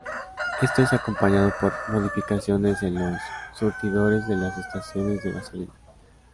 Esto es acompañado por modificaciones en los surtidores de las estaciones de gasolina.